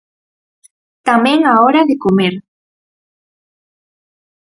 Tamén á hora de comer.